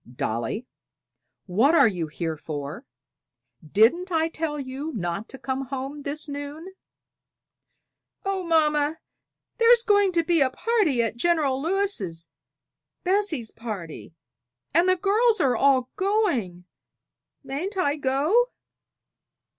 "Dolly! what are you here for? Didn't I tell you not to come home this noon?" "Oh, mamma, there's going to be a party at General Lewis' Bessie's party and the girls are all going; mayn't I go?"